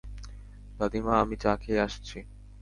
দাদী মা, আমি চা খেয়ে আসছি।